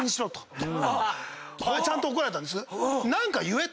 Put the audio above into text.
ちゃんと怒られたんです。